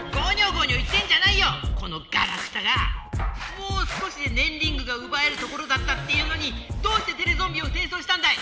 もう少しでねんリングがうばえるところだったっていうのにどうしてテレゾンビを転送したんだい